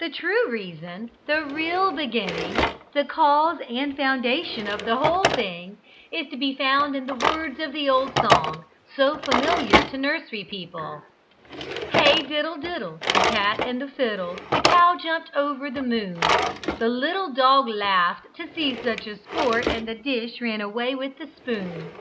The true reason the real beginning the cause and foundation of the whole thing, is to be found in the words of the old song, so familiar to nursery people: "Hey diddle, diddle; the cat and the fiddle; The cow jumped over the moon: The little dog laughed to see such sport, And the dish ran away with the spoon."